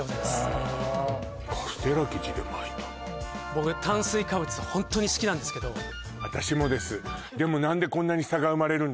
僕炭水化物ホントに好きなんですけど私もですでも